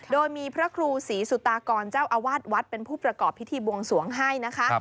โดยมีพระครูศรีสุตากรเจ้าอาวาสวัดเป็นผู้ประกอบพิธีบวงสวงให้นะคะ